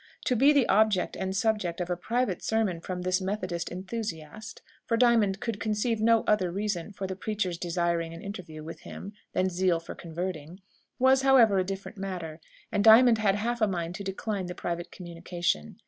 To be the object and subject of a private sermon from this Methodist enthusiast (for Diamond could conceive no other reason for the preacher's desiring an interview with him than zeal for converting) was, however, a different matter; and Diamond had half a mind to decline the private communication.